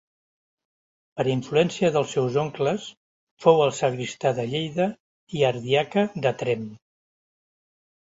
Per influència dels seus oncles fou el sagristà de Lleida i ardiaca de Tremp.